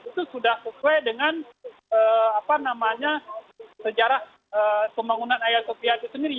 itu sudah sesuai dengan apa namanya sejarah pembangunan haya sofia itu sendiri